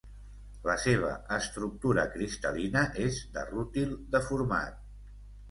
La seva estructura cristal·lina és de rútil deformat.